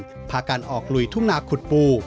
จากการทำงานพาการออกลุยทุ่งนาขุดปู